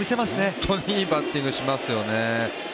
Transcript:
本当にいいバッティングをしますよね。